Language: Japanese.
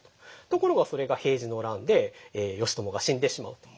ところがそれが平治の乱で義朝が死んでしまうと。